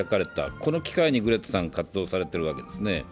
この機会にグレタさん、活動されているわけですね。